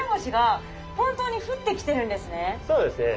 そうですね。